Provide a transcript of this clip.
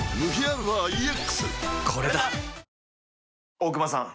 大熊さん。